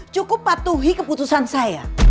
cukup patuhi keputusan saya